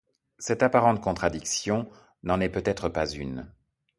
Cette apparente contradiction n'en est peut-être pas une.